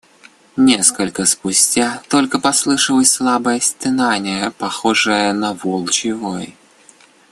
Несколько спустя только послышалось слабое стенание, похожее на волчий вой.